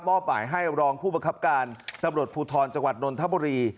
หมายให้รองผู้บังคับการตำรวจภูทรจังหวัดนนทบุรี